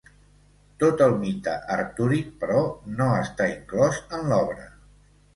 Tot el mite artúric però, no està inclòs en l'obra.